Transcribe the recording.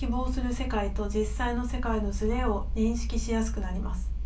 世界と実際の世界のずれを認識しやすくなります。